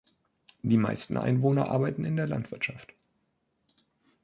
Die meisten Einwohner arbeiten in der Landwirtschaft.